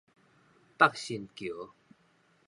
北新橋